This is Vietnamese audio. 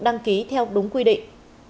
đăng ký theo đúng quy định